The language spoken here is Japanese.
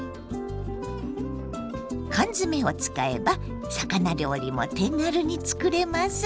缶詰を使えば魚料理も手軽に作れます。